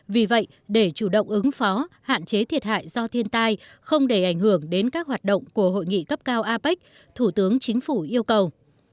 vì vậy để chủ động ứng phó hạn chế thiệt hại do thiên tai không để ảnh hưởng đến các hoạt động của hội nghị cấp cao apec thủ tướng chính phủ yêu cầu